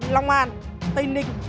long an tây ninh